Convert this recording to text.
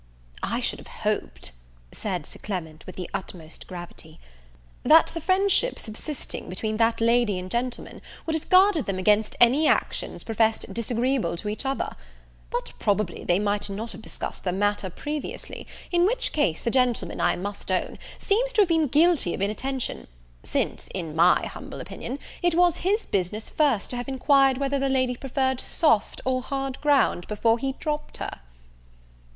"I should have hoped," said Sir Clement, with the utmost gravity, "that the friendship subsisting between that lady and gentleman would have guarded them against any actions professed disagreeable to each other: but, probably, they might not have discussed the matter previously; in which case the gentleman, I must own, seems to have been guilty of inattention, since, in my humble opinion, it was his business first to have inquired whether the lady preferred soft or hard ground, before he dropt her."